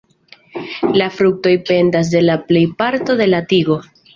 La fruktoj pendas de la plejparto de la tigo.